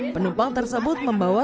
penumpang tersebut membawa